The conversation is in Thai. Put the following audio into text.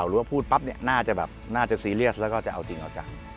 รู้ว่าพูดปั๊บเนี่ยน่าจะแบบน่าจะซีเรียสแล้วก็จะเอาจริงเอาจัง